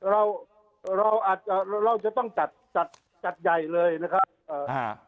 เราจะต้องจัดใยเลยนะครับ